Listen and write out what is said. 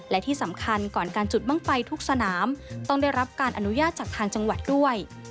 และที่สำคัญก่อนการจุดบ้างไฟทุกสนามต้องได้รับการอนุญาตจากทางจังหวัดด้วย